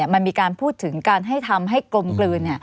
มันมีการพูดถึงการให้ทำให้กลมกลืน